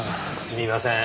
すみません。